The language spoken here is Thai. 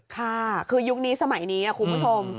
ค่ะคือยุคนี้สมัยนี้คุณผู้ชม